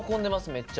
めっちゃ。